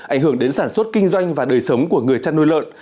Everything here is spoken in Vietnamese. ảnh hưởng đến sản xuất kinh doanh và đời sống của người chăn nuôi lợn